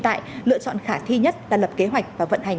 tại lựa chọn khả thi nhất là lập kế hoạch và vận hành các vũ khí của mỹ